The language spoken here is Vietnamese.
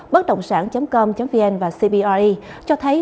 bất động sản com vn và cbre cho thấy